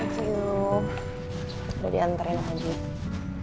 thank you udah diantarin apa din